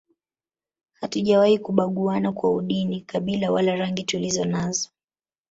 Hatujawahi kubaguana kwa udini kabila wala rangi tulizonazo